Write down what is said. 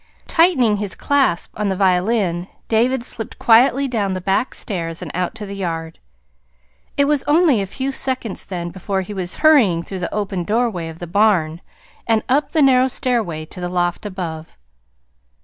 Tightening his clasp on the violin, David slipped quietly down the back stairs and out to the yard. It was only a few seconds then before he was hurrying through the open doorway of the barn and up the narrow stairway to the loft above.